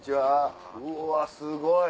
うわすごい。